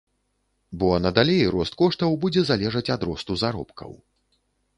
Бо надалей рост коштаў будзе залежаць ад росту заробкаў.